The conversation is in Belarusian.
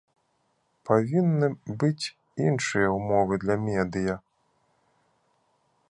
Павінны быць іншыя ўмовы для медыя.